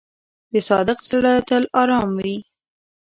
د صادق زړه تل آرام وي.